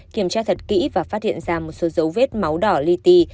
kiểm tra thật kỹ và phát hiện ra một số dấu vết máu đỏ ly ti